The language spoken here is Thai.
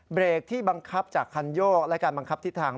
เบรกที่บังคับจากคันโยกและการบังคับทิศทาง